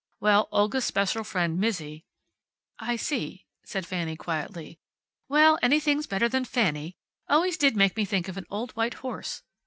Well, Olga's special friend Mizzi " "I see," said Fanny quietly. "Well, anything's better than Fanny. Always did make me think of an old white horse."